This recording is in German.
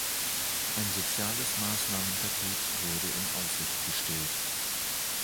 Ein soziales Maßnahmenpaket wurde in Aussicht gestellt.